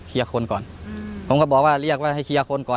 คนก่อนผมก็บอกว่าเรียกว่าให้เคลียร์คนก่อน